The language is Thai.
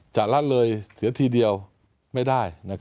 ละเลยเสียทีเดียวไม่ได้